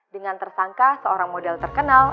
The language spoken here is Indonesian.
dengan tersangka seorang model terkenal